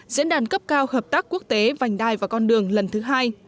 diễn đàn cấp cao hợp tác quốc tế vành đai và con đường lần thứ hai